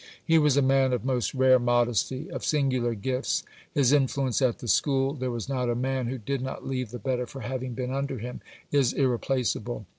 He was a man of most rare modesty: of singular gifts. His influence at the School there was not a man who did not leave the better for having been under him is irreplaceable.